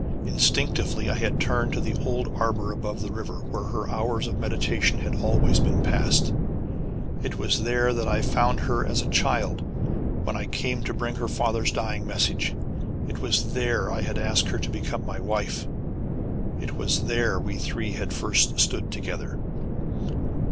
Instinctively I had turned to the old arbor above the river, where her hours of meditation had always been passed. It was there I had found her as a child, when I came to bring her father's dying message. It was there I had asked her to become my wife. It was there we three had first stood together.